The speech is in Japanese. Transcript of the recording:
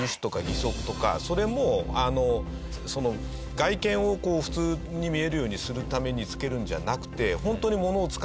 それも外見を普通に見えるようにするためにつけるんじゃなくて。